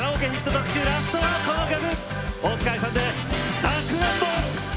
特集ラストは、この曲！